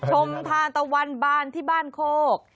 ชมทานตะวันบานที่บ้านโคก